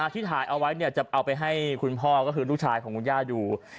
ที่ถ่ายเอาไว้จะเอาไปให้คุณพ่อก็คือลูกชายของคุณย่าดู